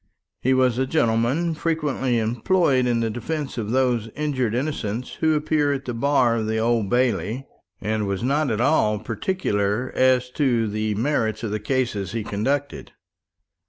He was a gentleman frequently employed in the defence of those injured innocents who appear at the bar of the Old Bailey; and was not at all particular as to the merits of the cases he conducted.